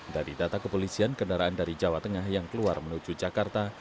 dari data kepolisian kendaraan dari jawa tengah yang keluar menuju jakarta